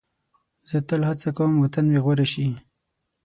زه تل هڅه کوم وطن مې غوره شي.